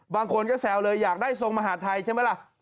บางคนก็แซวเลยอยากได้ทรงมหาทัยใช่ไหมล่ะ